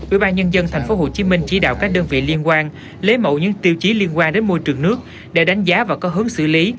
ubnd tp hcm chỉ đạo các đơn vị liên quan lấy mẫu những tiêu chí liên quan đến môi trường nước để đánh giá và có hướng xử lý